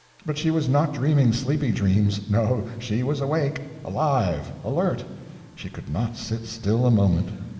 But she was not dreaming sleepy dreams no, she was awake, alive, alert, she could not sit still a moment.